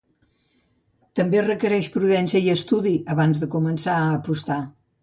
També requereix prudència i estudi abans de començar a apostar.